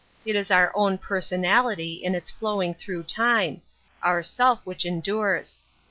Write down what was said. It is our own person |/ ality in its flowing through time — our self' which endures.